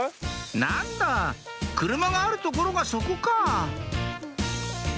「何だぁ車がある所が『そこ』かぁ」